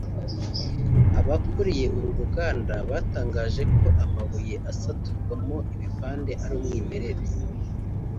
Abakuriye uru ruganda batangaje ko amabuye asaturwa mo ibipande ari umwimerere